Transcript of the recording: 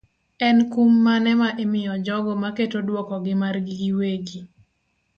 En kum mane ma imiyo jogo maketo duoko margi giwegi.